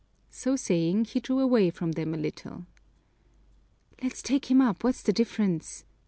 So saying, he drew away from them a little. "Let's take him up, what's the difference?"